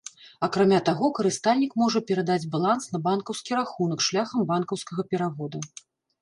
Акрамя таго, карыстальнік можа перадаць баланс на банкаўскі рахунак шляхам банкаўскага перавода.